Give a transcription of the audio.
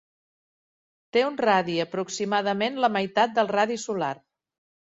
Té un radi aproximadament la meitat del radi solar.